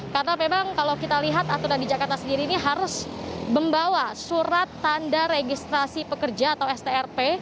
karena memang kalau kita lihat aturan di jakarta sendiri ini harus membawa surat tanda registrasi pekerja atau strp